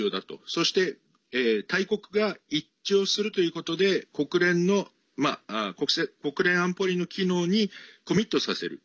そして大国が一致をするということで国連の、国連安保理の機能にコミットさせる。